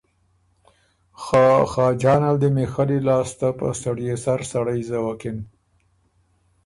خه خاجان ال دی میخلّي لاسته په سړيې سر سړئ زَوَکِن۔